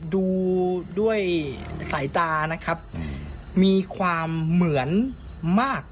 ดูด้วยสายตานะครับมีความเหมือนมาก